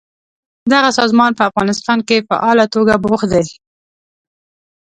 دغه سازمان په افغانستان کې فعاله توګه بوخت دی.